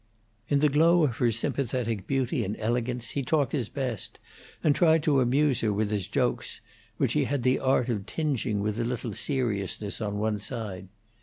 In the glow of her sympathetic beauty and elegance he talked his best, and tried to amuse her with his jokes, which he had the art of tingeing with a little seriousness on one side.